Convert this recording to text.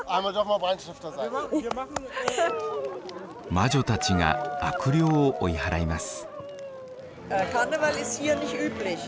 魔女たちが悪霊を追い払います。